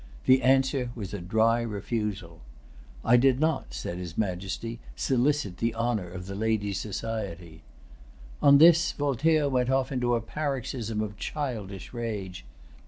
The answer was a dry refusal. "I did not," said his Majesty, "solicit the honor of the lady's society." On this, Voltaire went off into a paroxysm of childish rage.